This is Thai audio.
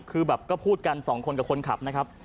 คือแบบก็พูดกันสองคนกับคนขับนะครับ